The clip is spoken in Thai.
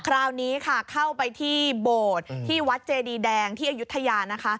คราวนี้ค่ะเข้าไปที่โบสถ์ที่วัดเจดีแดงที่อายุทยานะคะ